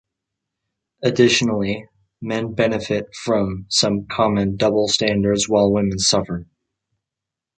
Additionally, men benefit from some common double standards while women suffer.